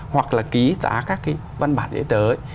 hoặc là ký tả các văn bản để tới